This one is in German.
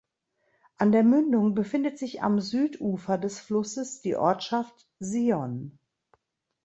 An der Mündung befindet sich am Südufer des Flusses die Ortschaft Sion.